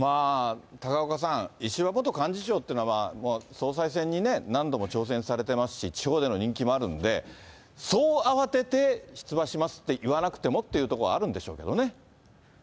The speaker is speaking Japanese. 高岡さん、石破元幹事長っていうのは、総裁選に何度も挑戦されてますし、地方での人気もあるんで、そう慌てて出馬しますって言わなくてもってところあるんでしょう